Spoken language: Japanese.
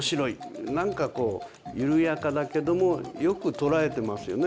何かこう緩やかだけどもよく捉えてますよね